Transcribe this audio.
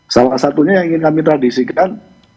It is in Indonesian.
salah satunya yang ingin kami tradisikan